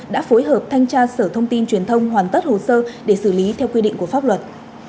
đã phối hợp thanh tra sở thông tin truyền thông hoàn tất hồ sơ để xử lý theo quy định của pháp luật